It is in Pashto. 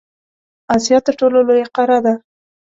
اسیا تر ټولو لویه قاره ده.